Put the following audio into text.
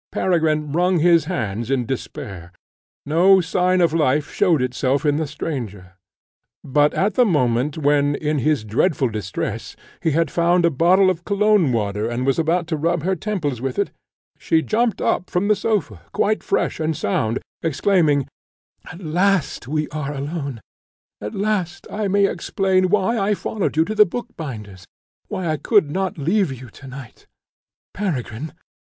Peregrine wrung his hands in despair. No sign of life showed itself in the stranger; but at the moment when, in his dreadful distress, he had found a bottle of Cologne water, and was about to rub her temples with it, she jumped up from the sofa quite fresh and sound, exclaiming, "At last we are alone! At last I may explain why I followed you to the bookbinder's why I could not leave you to night! Peregrine!